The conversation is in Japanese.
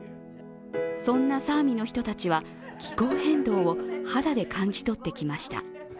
そんなサーミの人たちは気候変動を肌で感じとってきました。